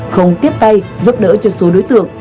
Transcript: không tiếp tay giúp đỡ cho số đối tượng